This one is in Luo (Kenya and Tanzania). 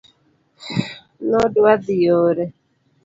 nodwadhi yore